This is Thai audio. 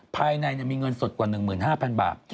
ภายในมีเงินสดกว่า๑๕๐๐๐บาท